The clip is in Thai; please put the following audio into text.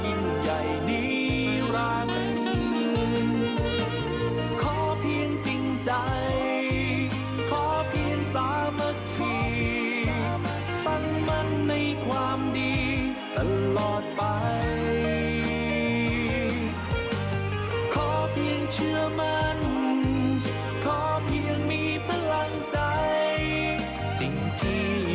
ยินดียินดียินดียินดียินดียินดี